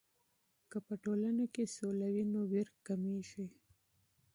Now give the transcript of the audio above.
که په ټولنه کې سوله وي، نو ویر کمېږي.